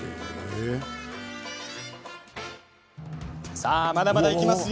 さあ、まだまだいきますよ。